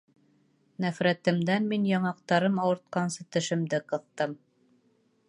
Нәфрәтемдән мин яңаҡтарым ауыртҡансы тешемде ҡыҫтым.